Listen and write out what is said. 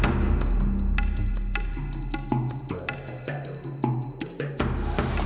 tetap simp milih